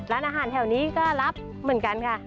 ร้านอาหารแถวนี้ก็รับเหมือนกันค่ะ